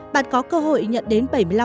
bạn có cơ hội nhận đến